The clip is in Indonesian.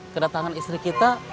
kedatangan istri kita